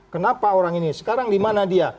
kenapa orang ini sekarang dimana dia